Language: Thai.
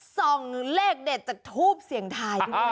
ส่องเลขเด็ดจากทูบเสียงไทย